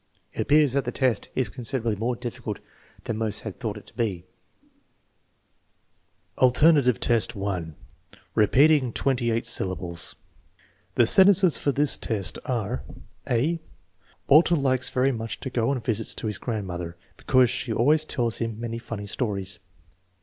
It appears that the test is considerably more difficult than most had thought it to be. Average adult, alternative test 1 : repeating twenty eight syllables The sentences for this test are: * (a) Waiter likes very much to go on visits to his grandmother, be cause she always tells him many funny stories.